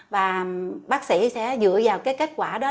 và bác sĩ sẽ dựa vào cái kết quả đó